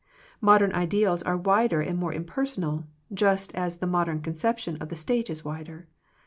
Modern ideals are wider and more impersonal, just as the modern conception of the state is wider.